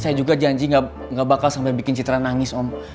saya juga janji gak bakal sampai bikin citra nangis om